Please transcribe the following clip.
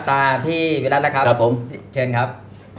เอาล่ะครับ